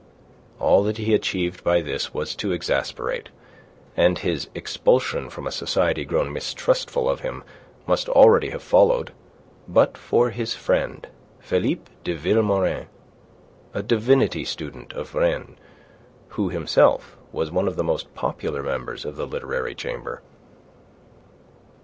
All that he achieved by this was to exasperate; and his expulsion from a society grown mistrustful of him must already have followed but for his friend, Philippe de Vilmorin, a divinity student of Rennes, who, himself, was one of the most popular members of the Literary Chamber.